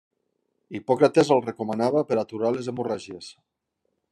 Hipòcrates el recomanava per aturar les hemorràgies.